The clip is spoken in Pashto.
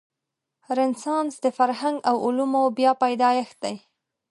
رنسانس د فرهنګ او علومو بیا پیدایښت دی.